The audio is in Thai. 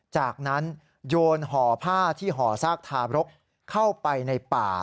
จากนั้นโยนห่อผ้าที่ห่อซากทารกเข้าไปในป่า